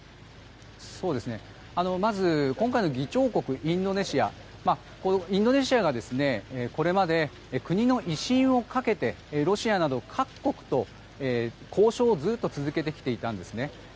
まず、今回の議長国インドネシアがこれまで国の威信をかけてロシアなど各国と交渉をずっと続けてきていたんです。